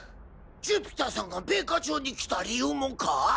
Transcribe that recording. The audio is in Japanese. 寿飛太さんが米花町に来た理由もか！？